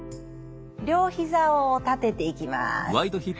両ひざを立てていきます。